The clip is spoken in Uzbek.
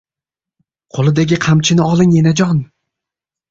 Qo‘lidagi qamchini oling, enajon!